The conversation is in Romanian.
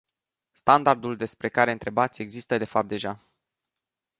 Standardul despre care întrebați există de fapt deja.